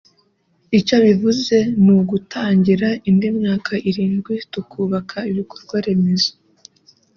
icyo bivuze ni ugutangira indi myaka irindwi tukubaka ibikorwa remezo